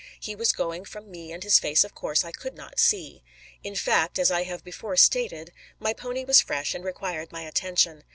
"He was going from me and his face, of course, I could not see. In fact, as I have before stated, my pony was fresh, and required my attention.